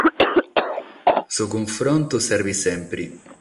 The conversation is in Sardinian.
Su cunfrontu servit semper.